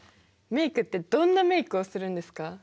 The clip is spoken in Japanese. メイクってどんなメイクをするんですか？